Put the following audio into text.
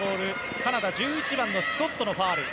カナダ１１番のスコットのファウル。